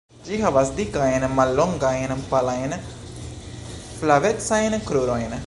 Ĝi havas dikajn, mallongajn, palajn, flavecajn krurojn.